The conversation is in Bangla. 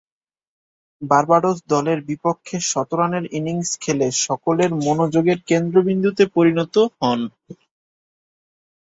বার্বাডোস দলের বিপক্ষে শতরানের ইনিংস খেলে সকলের মনোযোগের কেন্দ্রবিন্দুতে পরিণত হন।